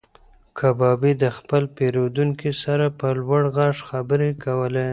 کبابي د خپل پیرودونکي سره په لوړ غږ خبرې کولې.